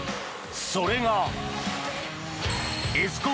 それが。